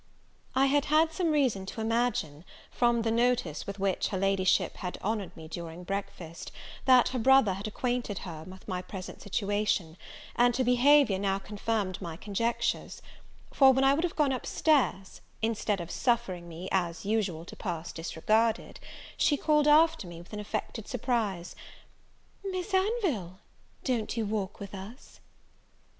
I had had some reason to imagine, from the notice with which her Ladyship had honoured me during breakfast, that her brother had acquainted her with my present situation: and her behaviour now confirmed my conjectures: for, when I would have gone up stairs, instead of suffering me, as usual, to pass disregarded, she called after me with an affected surprise, "Miss Anville, don't you walk with us?"